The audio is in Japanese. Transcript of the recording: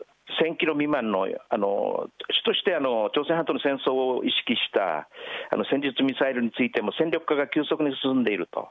１０００キロ未満の、主として朝鮮半島の戦争を意識した戦術ミサイルについても、戦力化が急速に進んでいると。